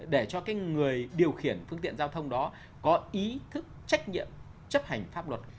để cho cái người điều khiển phương tiện giao thông đó có ý thức trách nhiệm chấp hành pháp luật